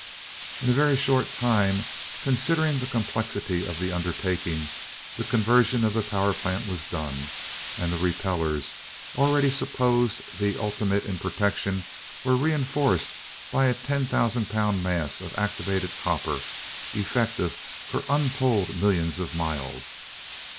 In a very short time, considering the complexity of the undertaking, the conversion of the power plant was done and the repellers, already supposed the ultimate in protection, were reenforced by a ten thousand pound mass of activated copper, effective for untold millions of miles.